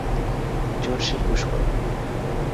জোরসে পুশ কর!